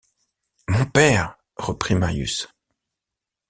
Mon père! reprit Marius.